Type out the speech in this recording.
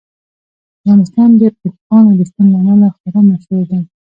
افغانستان د اوښانو د شتون له امله خورا مشهور دی.